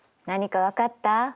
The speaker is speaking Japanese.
何か分かった？